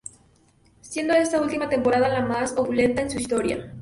Siendo esta última temporada la más opulenta de su historia.